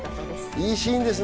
いいシーンですね。